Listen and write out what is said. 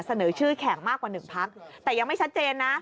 เสนอชื่อแข่งมากกว่า๑พักแต่ยังไม่ชัดเจนนะ